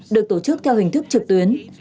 được tổ chức theo hình thức trực tuyến